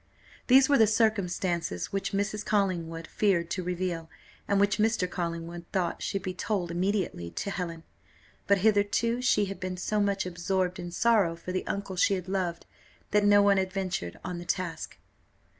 These were the circumstances which Mrs. Collingwood feared to reveal, and which Mr. Collingwood thought should be told immediately to Helen; but hitherto she had been so much absorbed in sorrow for the uncle she had loved, that no one had ventured on the task.